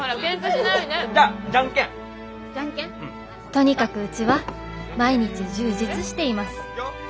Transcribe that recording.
「とにかくうちは毎日充実しています。